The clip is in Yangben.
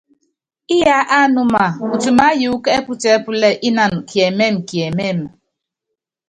Íyá ánúma, utimáyuúkú ɛ́putíɛpúlɛ́ ínanɔ kiɛmɛ́mɛ kiɛmɛ́mɛ.